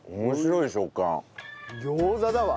餃子だわ。